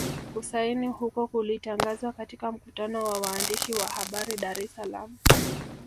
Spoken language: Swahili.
Kusaini huko kulitangazwa katika mkutano wa waandishi wa habari Dar es Salaam